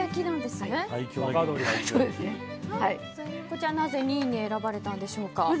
こちらなぜ２位に選ばれたんでしょうか。